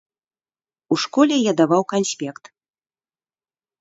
У школе я даваў канспект.